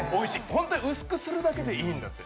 本当に薄くするだけでいいんだって。